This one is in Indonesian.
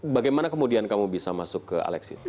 bagaimana kemudian kamu bisa masuk ke alexis